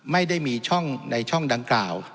ไม่ได้มีช่องในช่องดังกล่าว